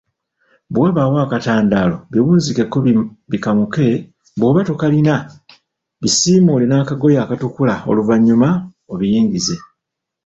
Bwe wabaawo akatandaalo, biwunzikeko bikamuke bwoba tokalina bisiimuule nakagoye akatukula noluvanyuma obiyingize